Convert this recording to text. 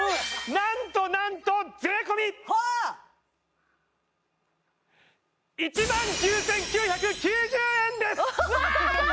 なんとなんと税込１９９９０円です！わあ！